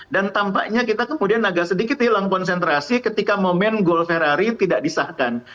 dan tampaknya kita kemudian agak sedikit hilang konsentrasi ketika momen gol ferrari tidak disahkan